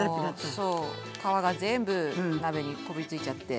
そう皮が全部鍋にこびりついちゃって。